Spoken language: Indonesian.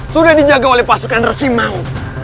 sudah dijaga oleh pasukan resimau